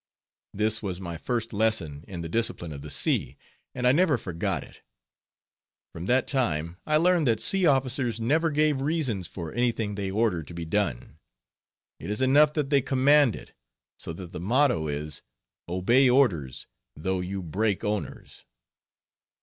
This was my first lesson in the discipline of the sea, and I never forgot it. From that time I learned that sea officers never gave reasons for any thing they order to be done. It is enough that they command it, so that the motto is, _"Obey orders, though you break owners."